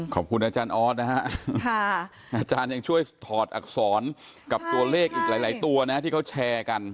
ขอบคุณอาจารย์ออสนะฮะอาจารย์ยังช่วยถอดอักษรกับตัวเลขอีกหลายตัวนะที่เขาแชร์กัน